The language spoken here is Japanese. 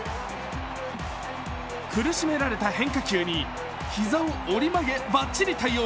苦しめられた変化球に膝を折り曲げ、ばっちり対応。